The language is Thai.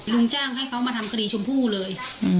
รุงจะให้เขาทำคดีชมผู้เลย